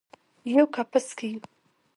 یوه کپس کې یو